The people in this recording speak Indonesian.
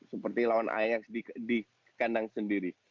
seperti lawan is di kandang sendiri